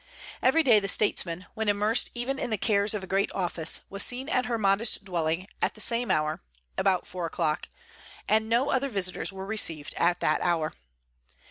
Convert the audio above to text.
Every day the statesman, when immersed even in the cares of a great office, was seen at her modest dwelling, at the same hour, about four o'clock, and no other visitors were received at that hour.